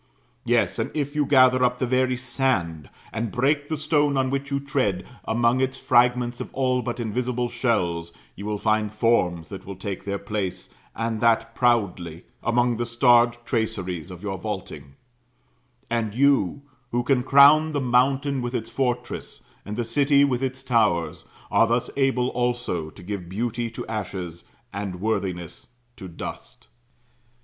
Yes: and if you gather up the very sand, and break the stone on which you tread, among its fragments of all but invisible shells you will find forms that will take their place, and that proudly, among the starred traceries of your vaulting; and you, who can crown the mountain with its fortress, and the city with its towers, are thus able also to give beauty to ashes, and worthiness to dust.